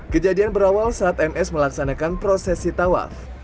kejadian berawal saat ms melaksanakan proses sitawaf